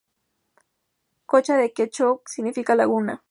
Cocha en Quechua significa Laguna.